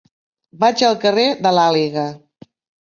Vaig al carrer de l'Àliga.